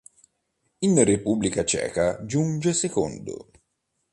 In Repubblica Ceca giunge secondo.